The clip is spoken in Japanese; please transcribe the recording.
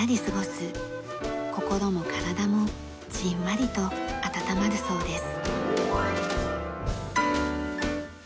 心も体もじんわりと温まるそうです。